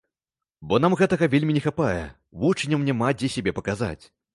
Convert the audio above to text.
Бо нам гэтага вельмі не хапае, вучням няма дзе сябе паказаць.